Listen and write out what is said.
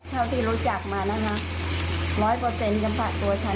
เท่าที่รู้จักมานะคะร้อยเปอร์เซ็นต์สำหรับตัวฉัน